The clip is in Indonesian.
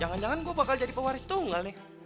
jangan jangan gue bakal jadi pewaris tunggal nih